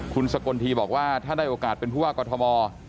คุณสกลทีบอกว่าถ้าได้โอกาสเป็นผู้ว่ากอทม